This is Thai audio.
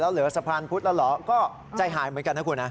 เหลือสะพานพุธแล้วเหรอก็ใจหายเหมือนกันนะคุณฮะ